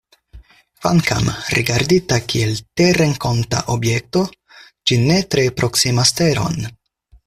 Kvankam rigardita kiel terrenkonta objekto, ĝi ne tre proksimas Teron.